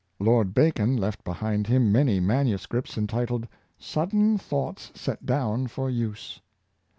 Lord Bacon left behind him many manuscripts entitled ^^ Sudden thoughts set down for use."